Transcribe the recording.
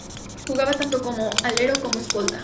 Jugaba tanto como alero como escolta.